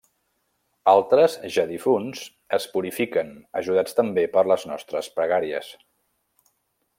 Altres, ja difunts, es purifiquen, ajudats també per les nostres pregàries.